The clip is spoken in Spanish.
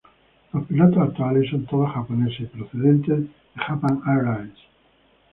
Los pilotos actuales son todos japoneses y procedentes de Japan Airlines.